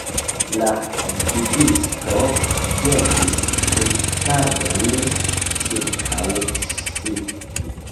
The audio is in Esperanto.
La gvidisto ĵetis rigardon ĉirkaŭ si.